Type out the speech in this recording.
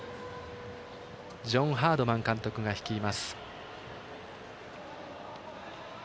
ジョン・ハードマン監督が率います。